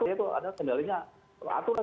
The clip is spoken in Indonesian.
itu ada sebenarnya aturan